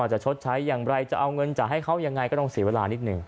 จะชดใช้อย่างไรจะเอาเงินจะให้เขายังไงก็ต้องเสียเวลานิดหนึ่ง